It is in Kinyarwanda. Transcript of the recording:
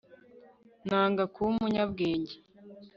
nanga kuba umunyabwenge